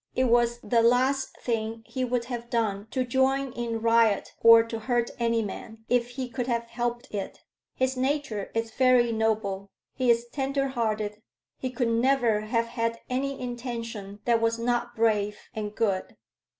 It was the last thing he would have done to join in riot or to hurt any man, if he could have helped it. His nature is very noble; he is tender hearted; he could never have had any intention that was not brave and good."